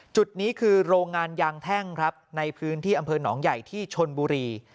จุดนี้คือโรงงานยางแท่งครับในพื้นที่อำเภอหนองใหญ่ที่ชนบุรี